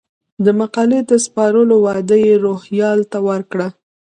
د مقالې د سپارلو وعده یې روهیال ته وکړه.